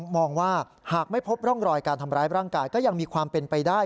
มองว่าหากไม่พบร่องรอยการทำร้ายร่างกายก็ยังมีความเป็นไปได้